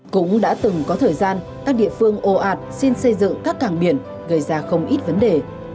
cũng đã từng có thời gian các địa phương ồ ạt xin xây dựng các càng biển gây ra không ít vấn đề